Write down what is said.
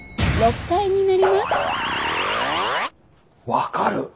分かる。